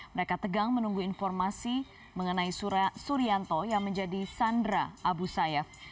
mereka tegang menunggu informasi mengenai surianto yang menjadi sandra abu sayyaf